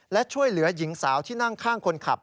และช่วยเหลือหญิงสาวที่นั่งข้างคนขับ